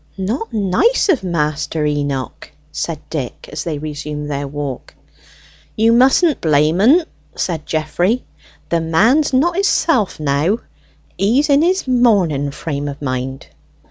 "Not nice of Master Enoch," said Dick, as they resumed their walk. "You mustn't blame en," said Geoffrey; "the man's not hisself now; he's in his morning frame of mind.